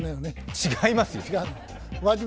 違いますよ！